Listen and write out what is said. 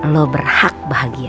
lo berhak bahagia